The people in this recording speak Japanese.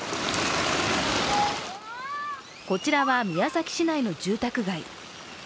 こちらは宮崎市内の住宅街。